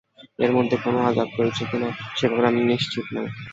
এর মধ্যে কোন আযাব রয়েছে কিনা—সে ব্যাপারে আমি নিশ্চিত নই।